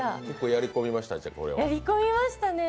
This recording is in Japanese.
結構やりこみました？